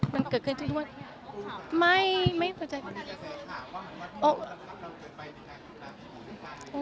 มันเกิดมาทุกวัน